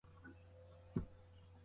እነሱ ባይኖሩ አልችለውም ነበር